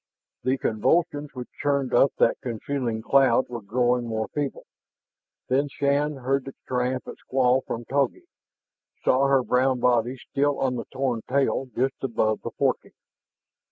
The convulsions which churned up that concealing cloud were growing more feeble. Then Shann heard the triumphant squall from Togi, saw her brown body still on the torn tail just above the forking.